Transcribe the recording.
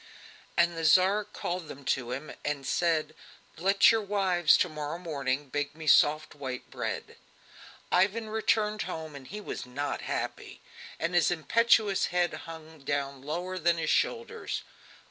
And the Tsar called them to him and said: "Let your wives, to morrow morning, bake me soft white bread." Ivan returned home, and he was not happy, and his impetuous head hung down lower than his shoulders.